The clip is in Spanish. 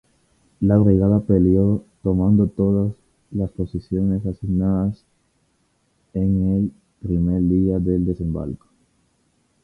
La brigada peleó tomando todas las posiciones asignadas en el primer día del desembarco.